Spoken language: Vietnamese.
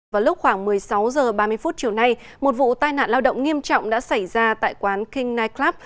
vào lúc khoảng một mươi sáu h ba mươi chiều nay một vụ tai nạn lao động nghiêm trọng đã xảy ra tại quán king nightclub